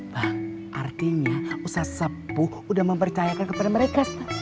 wah artinya usah sepuh udah mempercayakan kepada mereka